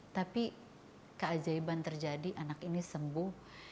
tapi keajaiban terjadi anak ini sembuh